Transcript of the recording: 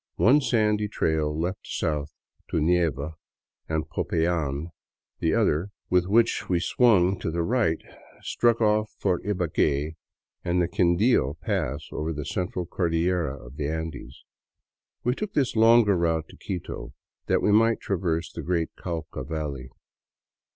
One sandy trail led south to Neiva and Popayan; the other, with which we swung to the right, struck off for Ibague and the Quindio pass over the Central Cordillera of the Andes. We took this longer route to Quito that we might traverse the great Cauca valley.